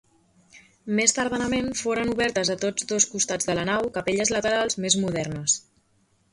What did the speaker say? Més tardanament, foren obertes a tots dos costats de la nau capelles laterals més modernes.